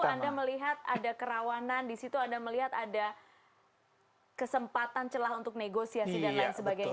tapi anda melihat ada kerawanan di situ anda melihat ada kesempatan celah untuk negosiasi dan lain sebagainya